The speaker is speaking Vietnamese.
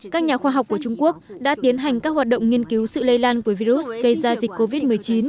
các nhà khoa học của trung quốc đã tiến hành các hoạt động nghiên cứu sự lây lan của virus gây ra dịch covid một mươi chín